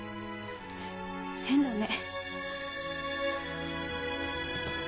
変だね。